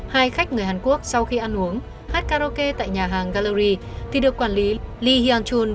hai khách người hàn quốc sau khi ăn uống hát karaoke tại nhà hàng gallery thì được quản lý lee hyng chuon